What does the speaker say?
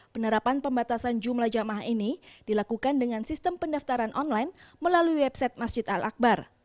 penerapan pembatasan jumlah jamaah ini dilakukan dengan sistem pendaftaran online melalui website masjid al akbar